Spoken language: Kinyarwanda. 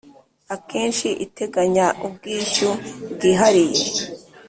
akenshi iteganya ubwishyu bwihariye